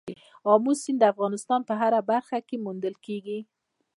آمو سیند د افغانستان په هره برخه کې موندل کېږي.